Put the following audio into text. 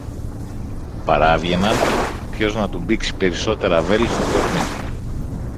παράβγαιναν ποιος να του μπήξει περισσότερα βέλη στο κορμί.